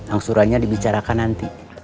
angsurannya dibicarakan nanti